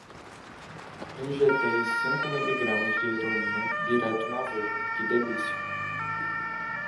Injetei cinco miligramas de heroína direto na veia, que delícia!